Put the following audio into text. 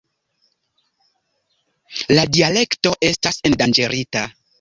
La dialekto estas endanĝerita.